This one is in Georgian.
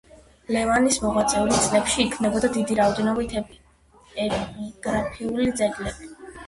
ლევანის მოღვაწეობის წლებში იქმნებოდა დიდი რაოდენობით ეპიგრაფიკული ძეგლები.